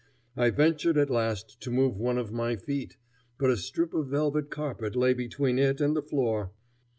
I ventured at last to move one of my feet, but a strip of velvet carpet lay between it and the floor.